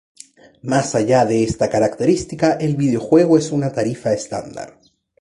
Más allá de esta característica, el videojuego es una tarifa estándar".